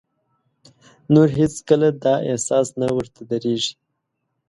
نور هېڅ کله دا احساس نه ورته درېږي.